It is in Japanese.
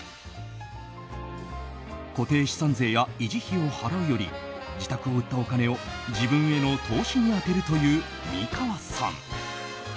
固定資産税や維持費を払うより自宅を売ったお金を自分への投資に充てるという美川さん。